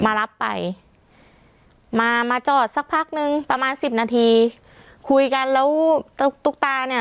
มารับไปมามาจอดสักพักนึงประมาณสิบนาทีคุยกันแล้วตุ๊กตุ๊กตาเนี่ย